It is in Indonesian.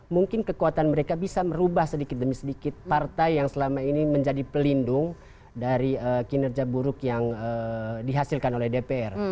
mungkin kekuatan mereka bisa merubah sedikit demi sedikit partai yang selama ini menjadi pelindung dari kinerja buruk yang dihasilkan oleh dpr